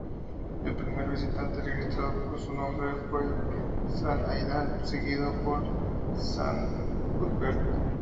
El primer visitante registrado por su nombre fue San Aidan seguido por San Cuthbert.